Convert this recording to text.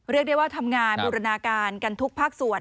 เรียกได้ว่าทำงานบูรณาการกันทุกภาคส่วน